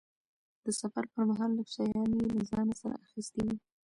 د سفر پرمهال لږ شیان یې له ځانه سره اخیستي وو.